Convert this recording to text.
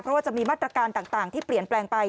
เพราะว่าจะมีมาตรการต่างที่เปลี่ยนแปลงไป